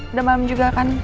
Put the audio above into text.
udah malam juga kan